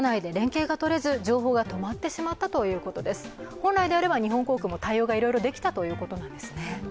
本来であれば、日本航空も対応がいろいろできたということなんですね。